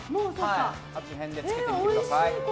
味変でつけてみてください。